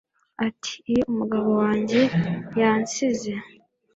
Ati Iyo umugabo wanjye yansize